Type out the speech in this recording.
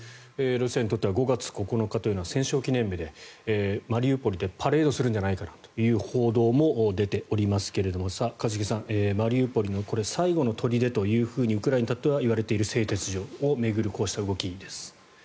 ロシアにとっては５月９日というのは戦勝記念日で、マリウポリでパレードするんじゃないかという報道も出ておりますけれど一茂さんマリウポリの最後の砦というふうにウクライナにとってはいわれている製鉄所を巡るこうした動きです。